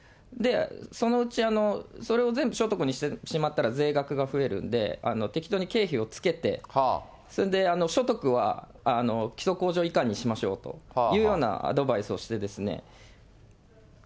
そのうち、それを全部所得にしてしまったら税額が増えるんで、適当に経費をつけて、それで所得は基礎控除以下にしましょうというようなアドバイスをして。